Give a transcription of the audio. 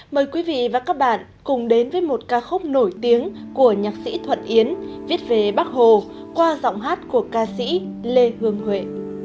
mời quý vị và các bạn cùng đến với một ca khúc nổi tiếng của nhạc sĩ thuận yến viết về bác hồ qua giọng hát của ca sĩ lê hương huệ